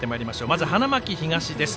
まず、花巻東です。